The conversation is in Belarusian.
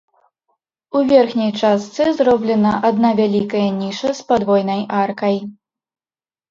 У верхняй частцы зроблена адна вялікая ніша з падвойнай аркай.